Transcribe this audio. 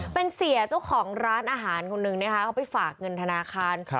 เป็นเสียเจ้าของร้านอาหารคนหนึ่งนะคะเขาไปฝากเงินธนาคาร